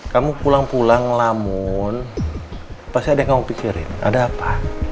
kamu pulang pulang lamun pasti ada yang kamu pikirin ada apa